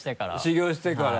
修行してから。